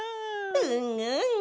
うんうん！